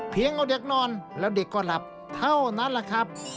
เอาเด็กนอนแล้วเด็กก็หลับเท่านั้นแหละครับ